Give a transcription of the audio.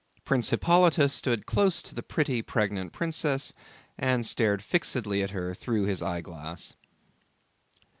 Prince Hippolyte stood close to the pretty, pregnant princess, and stared fixedly at her through his eyeglass.